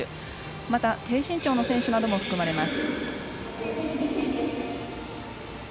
また低身長の選手なども含まれます。